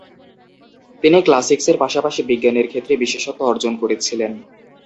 তিনি ক্লাসিক্সের পাশাপাশি বিজ্ঞানের ক্ষেত্রে বিশেষত্ব অর্জন করেছিলেন।